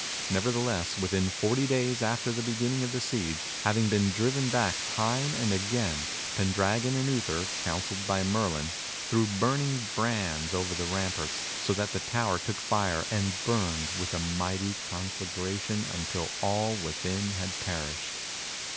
Nevertheless, within forty days after the beginning of the siege, having been driven back time and again, Pendragon and Uther, MERLIN AND HIS PROPHECIES 11 counselled by Merlin, threw burning brands over the ramparts, so that the tower took fire and burned with a mighty conflagration until all within had perished.